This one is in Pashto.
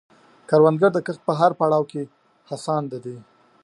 کروندګر د کښت په هر پړاو کې هڅاند دی